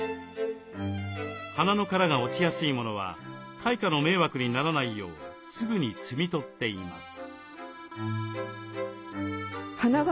花の殻が落ちやすいものは階下の迷惑にならないようすぐに摘み取っています。